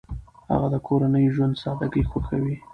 هغه د کورني ژوند سادګي خوښوي.